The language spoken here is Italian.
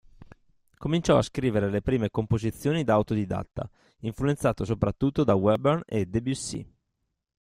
Cominciò a scrivere le prime composizioni da autodidatta, influenzato soprattutto da Webern e Debussy.